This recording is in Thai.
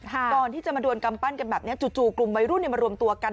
ก่อนที่จะมาโดนกำปั้นกันแบบนี้จู่กลุ่มวัยรุ่นมารวมตัวกัน